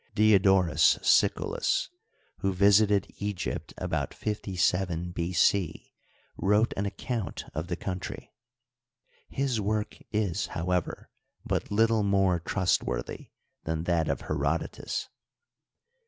Diodorus Siculus, who visited Egypt about 57 B. C, vyrrote an ac count of the country. His work is, however, but little more trustworthy tnan that of Herodotus.